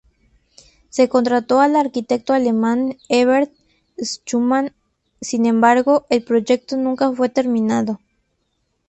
Se contrató al arquitecto alemán Herbert Schumann, sin embargo, el proyecto nunca fue terminado.